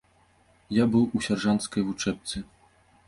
Я быў у сяржанцкай вучэбцы.